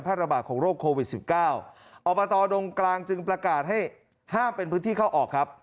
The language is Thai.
ระบาดของโรคโควิดสิบเก้าอบตดงกลางจึงประกาศให้ห้ามเป็นพื้นที่เข้าออกครับ